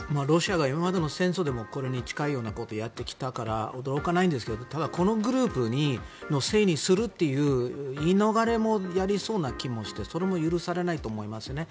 ロシアが今までの戦争でもこれに近いようなことをやってきたから驚かないんですがただ、このグループのせいにするという言い逃れもやりそうな気もしてそれも許されないと思います。